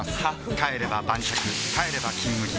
帰れば晩酌帰れば「金麦」